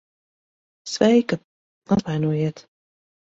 Sveika. Atvainojiet...